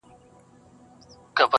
د احمدشاه له جګو غرونو سره لوبي کوي٫